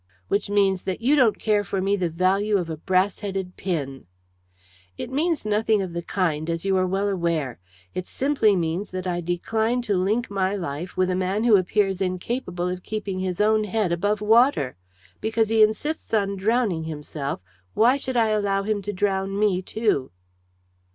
"Which means that you don't care for me the value of a brass headed pin." "It means nothing of the kind, as you are well aware. It simply means that I decline to link my life with a man who appears incapable of keeping his own head above water. Because he insists on drowning himself, why should I allow him to drown me too?"